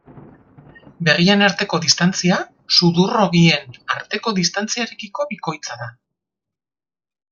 Begien arteko distantzia, sudur-hobien arteko distantziarekiko bikoitza da.